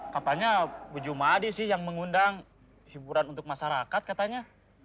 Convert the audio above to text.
katanya bu jumadi sih yang mengundang hiburan untuk masyarakat katanya